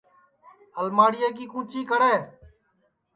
الماڑیا کی کُچی کڑے